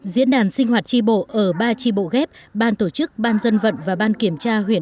diễn đàn sinh hoạt tri bộ ở ba tri bộ ghép ban tổ chức ban dân vận và ban kiểm tra huyện